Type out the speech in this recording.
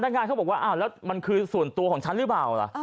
พนักงานเขาบอกว่ามันคือส่วนตัวของฉันหรือเปล่าล่ะ